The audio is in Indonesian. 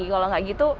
kalau nggak gitu